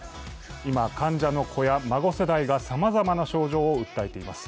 今、患者の子や孫世代がさまざまな症状を訴えています。